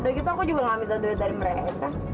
udah gitu aku juga gak minta duit dari mereka